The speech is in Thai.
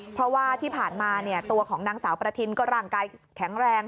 เพราะว่าที่ผ่านมาตัวของนางสาวประทินก็ร่างกายแข็งแรง